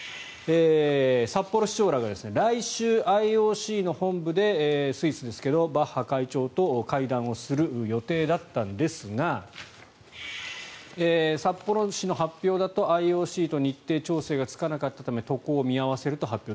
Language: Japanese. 札幌市長らが来週、ＩＯＣの本部でスイスですが、バッハ会長と会談をする予定だったんですが札幌市の発表だと、ＩＯＣと日程調整がつかなかったため渡航を見合わせると発表。